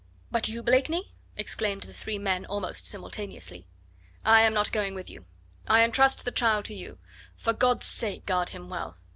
"But you, Blakeney?" exclaimed the three men almost simultaneously. "I am not going with you. I entrust the child to you. For God's sake guard him well!